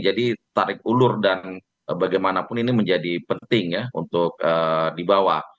jadi tarik ulur dan bagaimanapun ini menjadi penting ya untuk dibawa